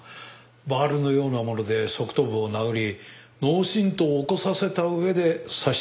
バールのようなもので側頭部を殴り脳振盪を起こさせた上で刺したと見ていい。